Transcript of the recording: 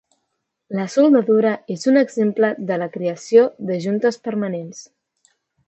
La soldadura és un exemple de la creació de juntes permanents.